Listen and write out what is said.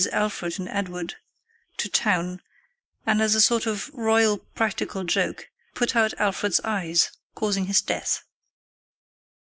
Alfred and Edward to town, and, as a sort of royal practical joke, put out Alfred's eyes, causing his death.